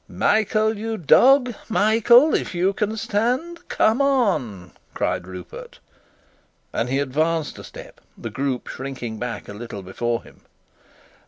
"Michael, you dog! Michael! If you can stand, come on!" cried Rupert; and he advanced a step, the group shrinking back a little before him.